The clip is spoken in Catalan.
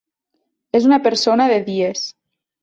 És una persona de dies.